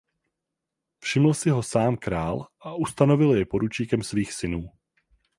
Všiml si ho sám král a ustanovil jej poručníkem svých synů.